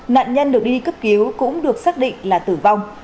nạn nhân được đi cấp cứu cũng được xác định là tử vong